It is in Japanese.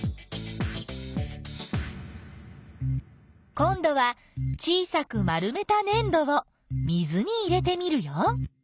こんどは小さく丸めたねん土を水に入れてみるよ。